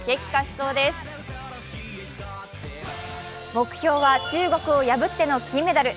目標は中国を破っての金メダル。